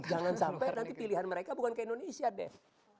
jangan sampai nanti pilihan mereka bukan ke indonesia deh